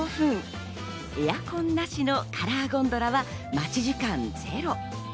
エアコンなしのカラーゴンドラは待ち時間ゼロ。